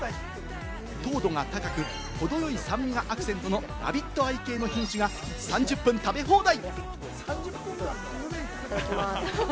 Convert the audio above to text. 糖度が高く程よい酸味がアクセントのラビットアイ系の品種が３０分食べ放題。